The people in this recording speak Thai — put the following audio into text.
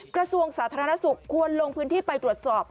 กระทรวงสาธารณสุขควรลงพื้นที่ไปตรวจสอบ